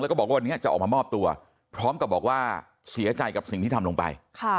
แล้วก็บอกว่าวันนี้จะออกมามอบตัวพร้อมกับบอกว่าเสียใจกับสิ่งที่ทำลงไป